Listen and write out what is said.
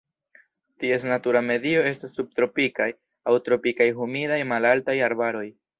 Ties natura medio estas subtropikaj aŭ tropikaj humidaj malaltaj arbaroj.